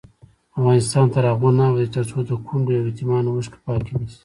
افغانستان تر هغو نه ابادیږي، ترڅو د کونډو او یتیمانو اوښکې پاکې نشي.